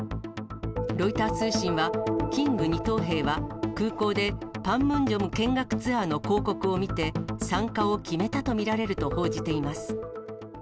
ロイター通信は、キング２等兵は、空港でパンムンジョム見学ツアーの広告を見て、参加を決めたと見られると報じています。